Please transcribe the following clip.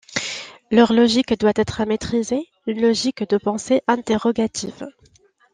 Leur logique doit être maîtrisée : une logique de la pensée interrogative.